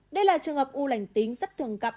đây là trường hợp u lãnh tính rất thường gặp